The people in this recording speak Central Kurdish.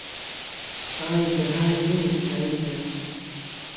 ئای بەهار نێ پاییزە